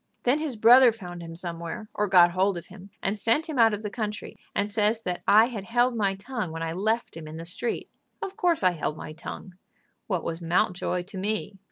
Then his brother found him somewhere, or got hold of him, and sent him out of the country, and says that I had held my tongue when I left him in the street. Of course I held my tongue. What was Mountjoy to me?